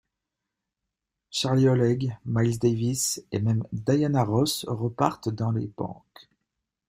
Charlie Oleg, Miles Davis, et même Diana Ross repartent dans les banques.